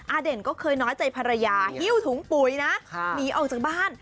เด่นก็เคยน้อยใจภรรยาหิ้วถุงปุ๋ยนะหนีออกจากบ้าน